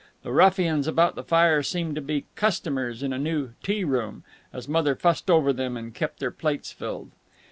The ruffians about the fire seemed to be customers in a new "T Room" as Mother fussed over them and kept their plates filled.